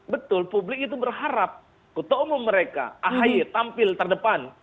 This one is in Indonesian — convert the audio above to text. betul publik itu berharap kutohongan mereka ahy tampil terdepan